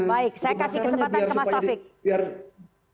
baik saya kasih kesempatan ke mas taufik